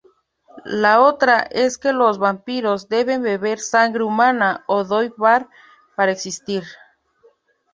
La otra es que los vampiros deben beber sangre humana o "Doll-Bar" para existir.